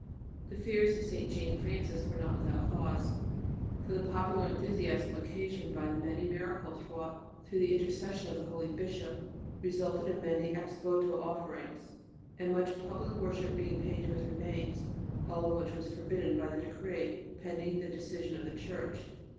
[B] The fears of St. Jane Frances were not without cause, for the popular enthusiasm occasioned by the many miracles wrought through the intercession of the holy Bishop resulted in many ex voto offerings and much public worship being paid to his remains, all of which was forbidden by the Decree, pending the decision of the Church.